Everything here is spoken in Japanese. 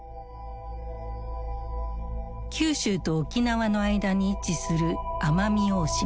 九州と沖縄の間に位置する奄美大島。